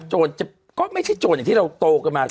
ก็ไม่ใช่โจรอย่างที่เราโตกันมา